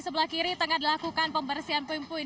sebelah kiri tengah dilakukan pembersihan puing puing